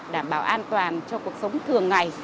đảm bảo an toàn cho cuộc sống thường ngày